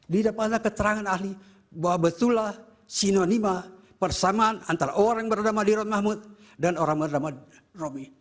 tidak pernah keterangan ahli bahwa betullah sinonima persamaan antara orang yang bernama dhirban mahmud dan orang yang bernama robby